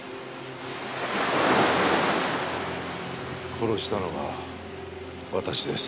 殺したのは私です。